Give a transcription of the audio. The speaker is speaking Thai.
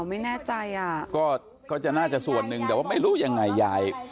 ไม่แน่ใจอ่ะก็ก็จะน่าจะส่วนหนึ่งแต่ว่าไม่รู้ยังไงยาย